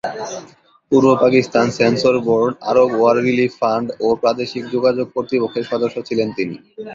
পূর্ব Pakistan censor board, Arab war relief fund ও প্রাদেশিক যোগাযোগ কর্তৃপক্ষের সদস্য ছিলেন তিনি।